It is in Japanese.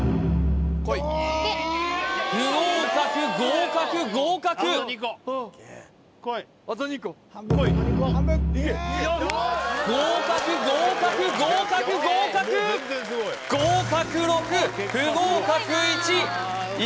不合格合格合格合格合格合格合格合格６不合格１活〆